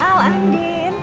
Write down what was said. kemuanya serangg airport